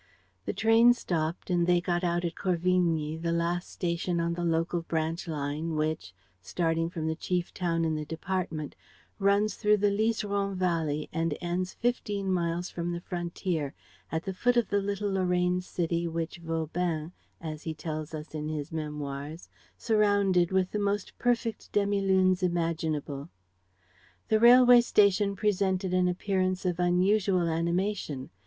The train stopped and they got out at Corvigny, the last station on the local branch line which, starting from the chief town in the department, runs through the Liseron Valley and ends, fifteen miles from the frontier, at the foot of the little Lorraine city which Vauban, as he tells us in his "Memoirs," surrounded "with the most perfect demilunes imaginable." The railway station presented an appearance of unusual animation.